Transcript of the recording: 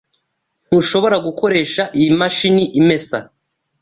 Ntushobora gukoresha iyi mashini imesa.